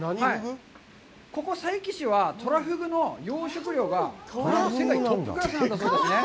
ここ佐伯市はトラフグの養殖量が世界トップクラスなんだそうですね。